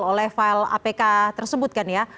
oleh file apk tersebut kan ya